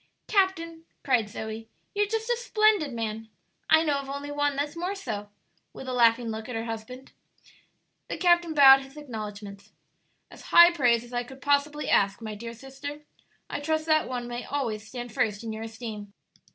"Captain," cried Zoe, "you're just a splendid man! I know of only one that's more so," with a laughing look at her husband. The captain bowed his acknowledgments. "As high praise as I could possibly ask, my dear sister. I trust that one may always stand first in your esteem."